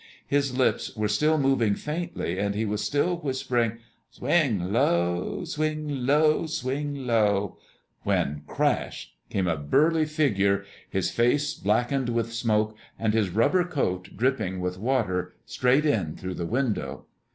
His lips were still moving faintly, and he was still whispering, "Swing low, swing low, swing low," when CRASH! came a burly figure, his face blackened with smoke and his rubber coat dripping with water, straight in through the window.